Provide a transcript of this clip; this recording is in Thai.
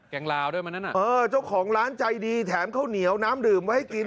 งลาวด้วยมันนั้นอ่ะเออเจ้าของร้านใจดีแถมข้าวเหนียวน้ำดื่มไว้ให้กิน